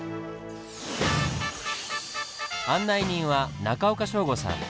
案内人は中岡省吾さん。